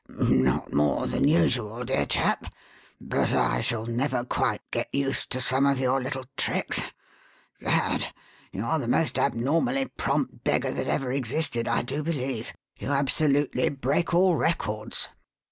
"Not more than usual, dear chap. But I shall never get quite used to some of your little tricks. Gad! You're the most abnormally prompt beggar that ever existed, I do believe. You absolutely break all records."